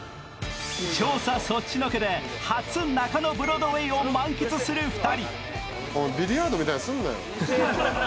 調査そっちのけで初中野ブロードウェイを満喫する２人。